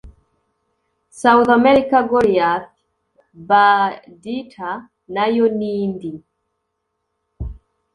south america goriath birdeater nayo nindi